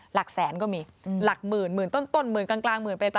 หลักแสนก็มีหลักหมื่นหมื่นต้นหมื่นกลางหมื่นปลาย